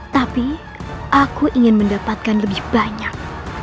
tapi aku ingin mendapatkan lebih banyak